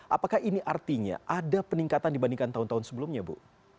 apakah ini artinya ada peningkatan dibandingkan tahun tahun sebelumnya bu